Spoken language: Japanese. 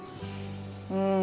うん。